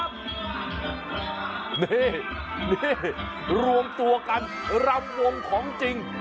นี่รวมตัวกันรำวงของจริง